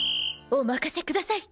お任せください！